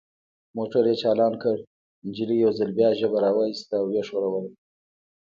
موټر یې چالان کړ، نجلۍ یو ځل بیا ژبه را وایستل او ویې ښوروله.